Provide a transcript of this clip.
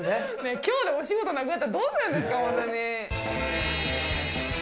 きょうでお仕事なくなったらどうするんですか、本当に。